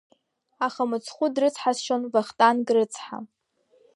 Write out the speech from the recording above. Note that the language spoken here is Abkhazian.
Аха мыцхәы дрыцҳасшьон Вахтанг рыцҳа.